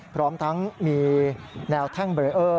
พร้อมทั้งมีแนวแท่งเบรเออร์